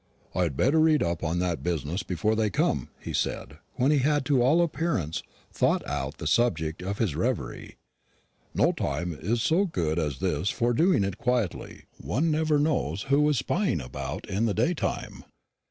"I had better read up that business before they come," he said, when he had to all appearance "thought out" the subject of his reverie. "No time so good as this for doing it quietly. One never knows who is spying about in the daytime."